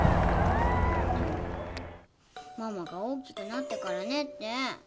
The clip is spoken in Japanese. でもママが大きくなってからねって。